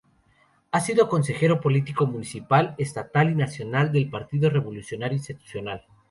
Ha sido Consejero Político Municipal, Estatal y Nacional del Partido Revolucionario Institucional.